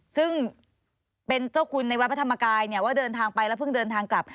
ซึ่งเป็นเจ้าคุณในวัดพระธรรมกายเนี่ยว่าเดินทางไปแล้วเพิ่งเดินทางกลับ